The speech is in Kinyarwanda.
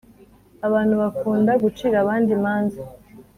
abantu bakunda gucira abandi imanza.